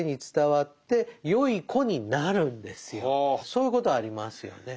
そういうことありますよね。